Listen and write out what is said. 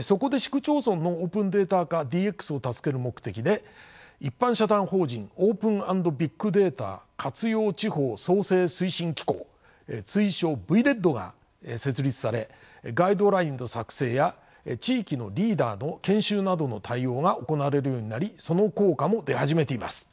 そこで市区町村のオープンデータ化ＤＸを助ける目的で一般社団法人オープン＆ビッグデータ活用・地方創生推進機構通称ＶＬＥＤが設立されガイドラインの作成や地域のリーダーの研修などの対応が行われるようになりその効果も出始めています。